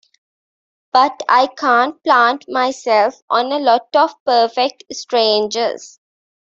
But I can't plant myself on a lot of perfect strangers.